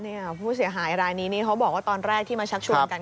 ผู้เสียหายรายนี้นี่เขาบอกว่าตอนแรกที่มาชักชวนกัน